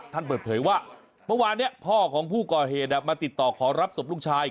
ท่านเปิดเผยว่าเมื่อวานนี้พ่อของผู้ก่อเหตุมาติดต่อขอรับศพลูกชาย